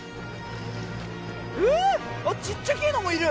あっちっちゃけえのもいる。